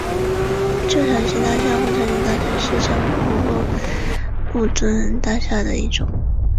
旧长型大厦或长型大厦是香港公共屋邨大厦的一种。